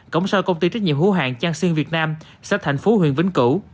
cổng sau công ty trách nhiệm hữu hạng trang xuyên việt nam sách thành phố huyền vĩnh cửu